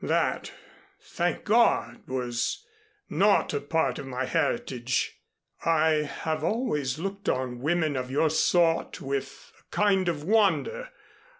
That, thank God, was not a part of my heritage. I have always looked on women of your sort with a kind of wonder.